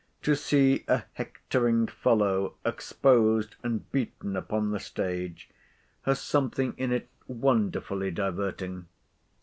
To see a hectoring fellow exposed and beaten upon the stage, has something in it wonderfully diverting.